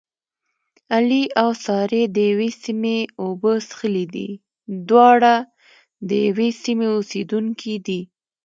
علي او سارې دیوې سیمې اوبه څښلې دي. دواړه د یوې سیمې اوسېدونکي دي.